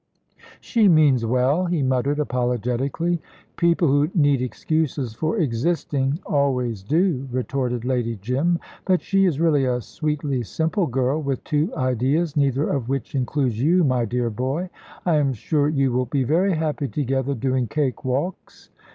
"She means well," he muttered, apologetically. "People who need excuses for existing always do," retorted Lady Jim; "but she is really a sweetly simple girl, with two ideas, neither of which includes you, my dear boy. I am sure you will be very happy together, doing cake walks."